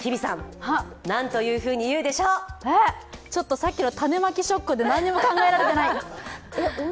さっきの種まきショックで何も考えられてない。